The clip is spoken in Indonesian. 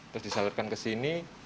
terus disalurkan ke sini